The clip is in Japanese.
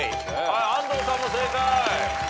安藤さんも正解。